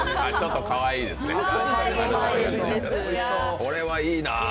これはいいな。